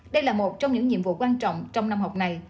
đây là một trong những nhiệm vụ quan trọng trong năm học này